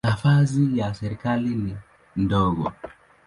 Nafasi ya serikali ni ndogo.